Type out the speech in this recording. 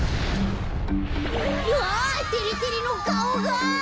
わてれてれのかおが！